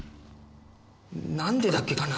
なんでだっけかな？